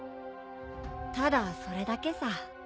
ただそれだけさ。